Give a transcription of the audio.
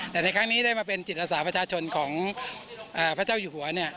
แต่ในครั้งนี้ได้มาเป็นจิตอาสาประชาชนของพระเจ้าอยู่หัวเนี่ย